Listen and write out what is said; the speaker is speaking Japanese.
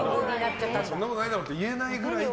そんなことないだろって言えないぐらい。